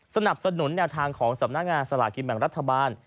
สนับสนุนแนวทางของสำนักงานสลากินแบ่งรัฐบาล